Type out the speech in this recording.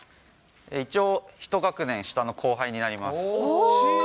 一応、１学年下の後輩になります。